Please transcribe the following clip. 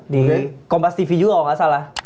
di kompas tv juga kalau nggak salah